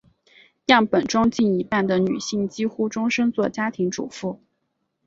样本中近一半的女性几乎终生做家庭主妇。